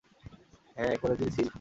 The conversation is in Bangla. হ্যাঁ করে দিন সিল।